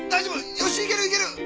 よしいけるいける！